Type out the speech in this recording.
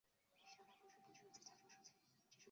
室町时代江户时代昭和时期平成时期